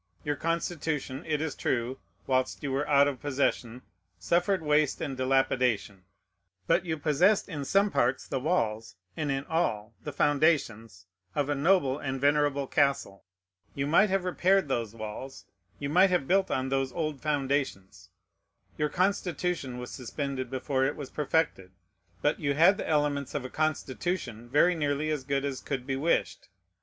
Your Constitution, it is true, whilst you were out of possession, suffered waste and dilapidation; but you possessed in some parts the walls, and in all the foundations, of a noble and venerable castle. You might have repaired those walls; you might have built on those old foundations. Your Constitution was suspended before it was perfected; but you had the elements of a Constitution very nearly as good as could be wished.